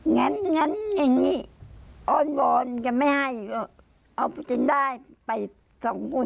งั้นงั้นอย่างงี้อ่อนก็ไม่ให้เอาไปจนได้ไปสองคนสามคน